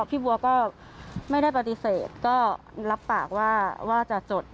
พี่บัวก็ไม่ได้ปฏิเสธก็รับปากว่าจะจด